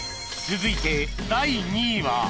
［続いて第２位は］